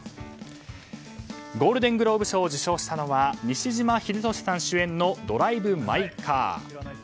ゴールデングローブ賞を受賞したのは西島秀俊さん主演の「ドライブ・マイ・カー」。